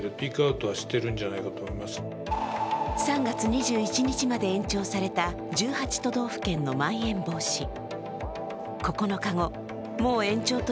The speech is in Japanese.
３月２１日まで延長された１８都道府県のまん延防止。